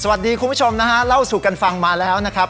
คุณผู้ชมนะฮะเล่าสู่กันฟังมาแล้วนะครับ